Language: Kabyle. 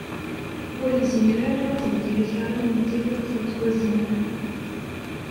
Ur yezmir ara ad d-yeldi akaram n tirawt yettwaznen.